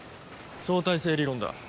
相対性理論だ。